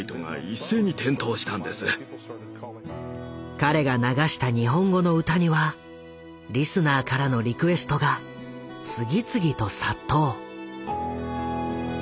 彼が流した日本語の歌にはリスナーからのリクエストが次々と殺到。